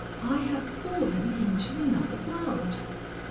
I have fallen into another world."